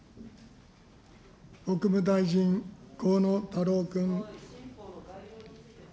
国務大臣、河野太郎君。